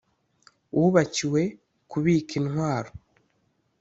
wubakiwe kubika intwaro,